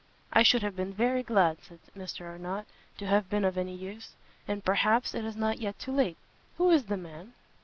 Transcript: "I should have been very glad," said Mr Arnott, "to have been of any use, and perhaps it is not yet too late; who is the man?"